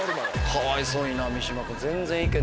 かわいそうにな三島君。